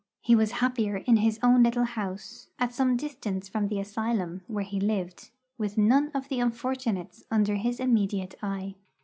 He was happier in his own little house, at some distance from the asylum, where he lived, with none of the unfortunates under his immediate eye.